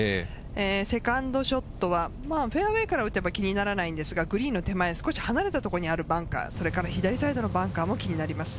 セカンドショットはフェアウエーから打てば気にならないんですが、グリーンの手前、少し離れたところにあるバンカー、そして左サイドにあるバンカーも気になります。